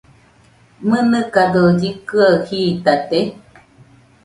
¿Mɨnɨkado llɨkɨaɨ jitate?